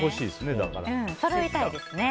そろえたいですね。